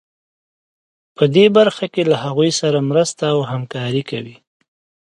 په دې برخه کې له هغوی سره مرسته او همکاري کوي.